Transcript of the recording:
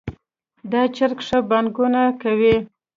دا چرګ ښه بانګونه کوي